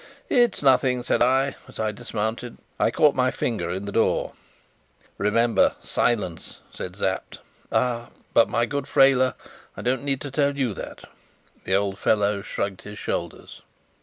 "It's nothing," said I, as I dismounted; "I caught my finger in the door." "Remember silence!" said Sapt. "Ah! but, my good Freyler, I do not need to tell you that!" The old fellow shrugged his shoulders.